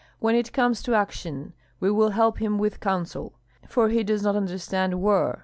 "When it comes to action we will help him with counsel, for he does not understand war.